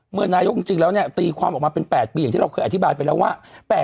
เมื่อนายกจริงแล้วเนี่ยตีความออกมาเป็น๘ปีอย่างที่เราเคยอธิบายไปแล้วว่า